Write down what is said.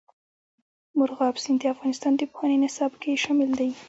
مورغاب سیند د افغانستان د پوهنې نصاب کې شامل دي.